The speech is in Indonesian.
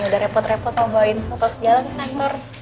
udah repot repot mau bawain soto segala ke kantor